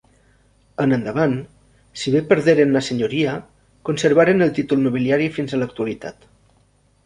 En endavant, si bé perderen la senyoria, conservaren el títol nobiliari fins a l'actualitat.